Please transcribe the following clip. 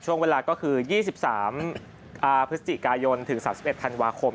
ช่วงเวลาก็คือ๒๓พฤศจิกายนถึง๓๑ธันวาคม